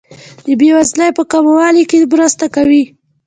د بیوزلۍ په کمولو کې مرسته کوي.